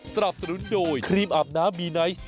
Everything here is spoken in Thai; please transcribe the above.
สนับสนุนโดยครีมอาบน้ำบีไนท์